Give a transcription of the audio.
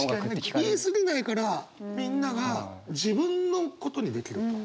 言い過ぎないからみんなが自分のことにできる。